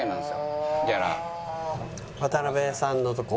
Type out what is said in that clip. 渡辺さんのとこ？